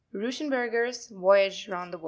—Ruschenberger's Voyage round the World.